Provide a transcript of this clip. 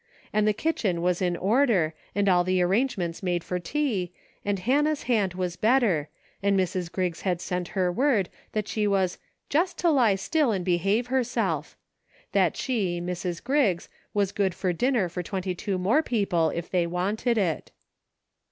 And the kitchen was in order, and all arrangements made for tea, and Hannah's hand was better, and Mrs. Griggs had sent her word that she was "jest to lie still and behave herself;" that she, Mrs. Griggs, was good for dinner for twenty two more people if they wanted it.